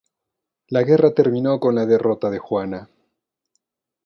La guerra terminó con la derrota de Juana.